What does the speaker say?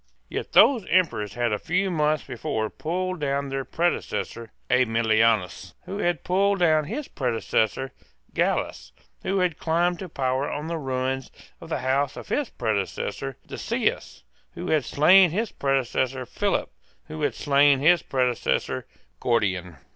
Yet those Emperors had a few months before pulled down their predecessor Aemilianus, who had pulled down his predecessor Gallus, who had climbed to power on the ruins of the house of his predecessor Decius, who had slain his predecessor Philip, who had slain his predecessor Gordian.